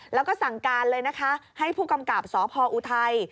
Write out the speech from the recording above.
แล้วก็สั่งการเลยนะคะให้ผู้กำกับสพออุทัย